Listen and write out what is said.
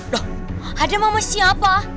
loh adam sama siapa